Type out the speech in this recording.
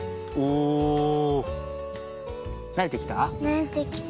なれてきた？